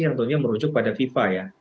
yang tentunya merujuk pada fifa ya